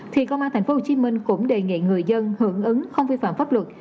thì công an tp hcm cũng đề nghị người dân hưởng ứng không vi phạm pháp luật